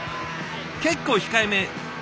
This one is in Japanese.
結構控えめ。